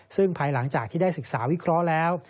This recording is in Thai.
ซึ่งภายหลังจากที่ได้ศึกษาวิเคราะห์แล้ว